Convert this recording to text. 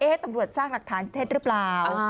ตำรวจสร้างหลักฐานเท็จหรือเปล่า